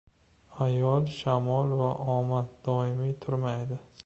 • Ayol, shamol va omad doimiy turmaydi.